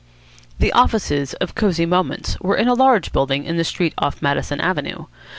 The offices of Cosy Moments were in a large building in the street off Madison Avenue.